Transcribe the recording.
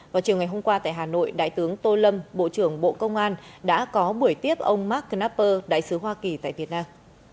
vào chiều ngày hôm qua tại hà nội đại tướng tô lâm bộ trưởng bộ công an đã có buổi tiếp ông mark knapper đại sứ hoa kỳ tại việt nam